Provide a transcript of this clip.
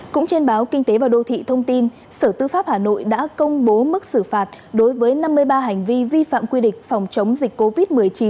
cũng trên báo kinh tế và đô thị thông tin sở tư pháp hà nội đã công bố mức xử phạt đối với năm mươi ba hành vi vi phạm quy định phòng chống dịch covid một mươi chín